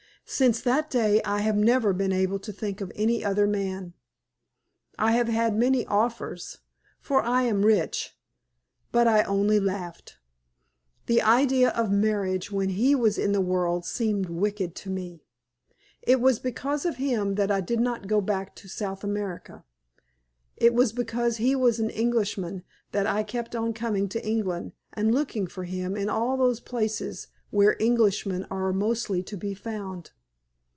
Since that day I have never been able to think of any other man. I have had many offers, for I am rich, but I only laughed. The idea of marriage when he was in the world seemed wicked to me. It was because of him that I did not go back to South America. It was because he was an Englishman that I kept on coming to England and looking for him in all those places where Englishmen are mostly to be found.